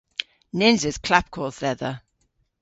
Nyns eus klapkodh dhedha.